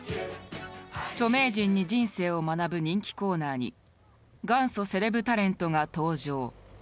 著名人に人生を学ぶ人気コーナーに元祖セレブタレントが登場。